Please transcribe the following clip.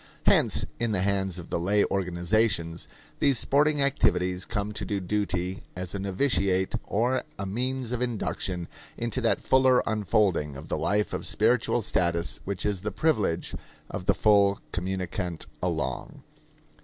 Hence, in the hands of the lay organizations, these sporting activities come to do duty as a novitiate or a means of induction into that fuller unfolding of the life of spiritual status which is the privilege of the full communicant along.